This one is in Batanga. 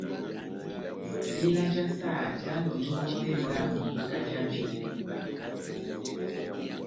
Tela já saha jáhalɔnjɔkɔ pɛhɛ bwámu kahá já vyo.